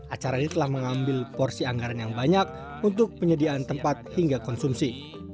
acara ini telah mengambil porsi anggaran yang banyak untuk penyediaan tempat hingga konsumsi